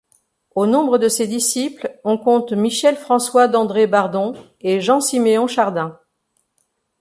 Au nombre de ses disciples, on compte Michel-François Dandré-Bardon et Jean Siméon Chardin.